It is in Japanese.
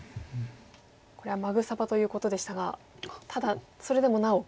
これはマグサ場ということでしたがただそれでもなお。